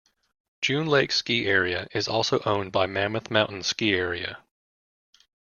June Lake's ski area is also owned by Mammoth Mountain Ski Area.